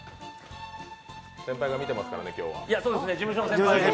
先輩が見てますからね、今日は。